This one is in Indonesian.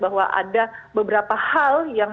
bahwa ada beberapa hal yang